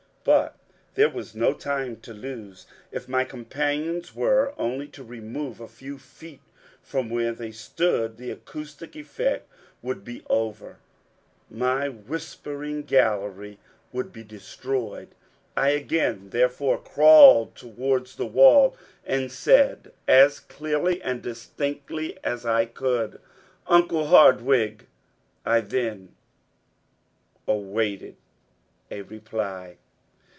But there was no time to lose. If my companions were only to remove a few feet from where they stood, the acoustic effect would be over, my Whispering Gallery would be destroyed. I again therefore crawled towards the wall, and said as clearly and distinctly as I could: "Uncle Hardwigg." I then awaited a reply.